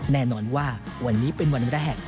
แน่นอนว่าวันนี้เป็นวันแรก